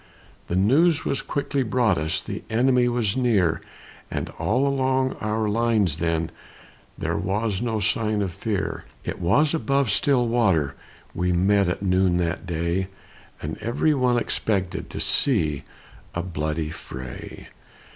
The news was quickly brought us, The enemy was near, And all along our lines then, There was no sign of fear; It was above Stillwater We met at noon that day, And every one expected To see a bloody fray.